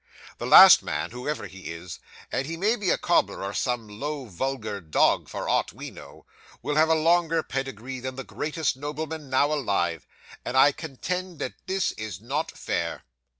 The last man, whoever he is and he may be a cobbler or some low vulgar dog for aught we know will have a longer pedigree than the greatest nobleman now alive; and I contend that this is not fair.